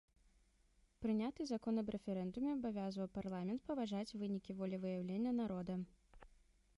Прыняты закон аб рэферэндуме абавязваў парламент паважаць вынікі волевыяўлення народа.